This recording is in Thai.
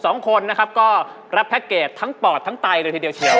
สองคนรับแพ็คเก็ตทั้งปอดทั้งใต้เลยทีเดียวเชียว